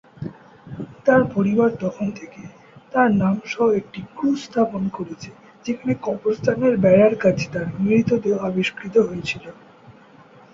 তার পরিবার তখন থেকে তার নাম সহ একটি ক্রুশ স্থাপন করেছে যেখানে কবরস্থানের বেড়ার কাছে তার মৃতদেহ আবিষ্কৃত হয়েছিল।